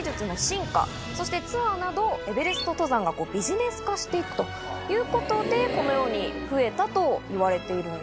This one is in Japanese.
そしてツアーなどエベレスト登山がビジネス化して行くということでこのように増えたといわれているんです。